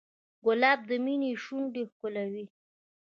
ګلاب د مینې شونډې ښکلوي.